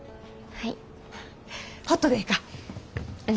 はい。